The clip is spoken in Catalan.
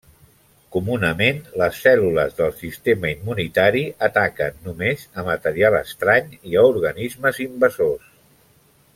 Comunament, les cèl·lules del sistema immunitari ataquen només a material estrany i a organismes invasors.